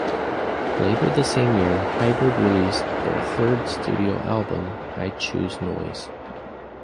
Later, the same year, Hybrid released their third studio album, "I Choose Noise".